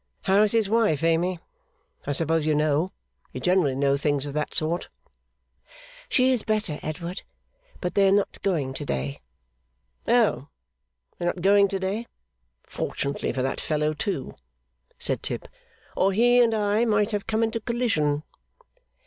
How's his wife, Amy? I suppose you know. You generally know things of that sort.' 'She is better, Edward. But they are not going to day.' 'Oh! They are not going to day! Fortunately for that fellow too,' said Tip, 'or he and I might have come into collision.